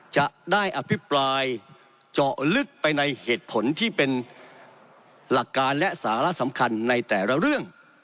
จะได้อภิปรายเจาะลึกไปในเหตุผลที่เป็นหลักการและสาระสำคัญในแต่ละเรื่อง